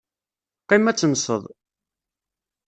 Qqim ad tenseḍ.